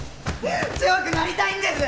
強くなりたいんです！